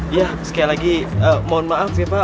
iya sekali lagi mohon maaf sih pak